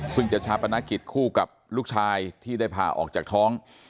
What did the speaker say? ซึ่งจะชาปนกิจคู่กับลูกชายที่ได้ผ่าออกจากท้อง